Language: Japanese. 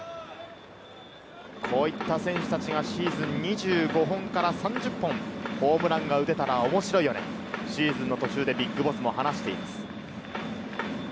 こういった選手たちがシーズン２５本から３０本ホームランが打てたら面白いよねとシーズンの途中でＢＩＧＢＯＳＳも話しています。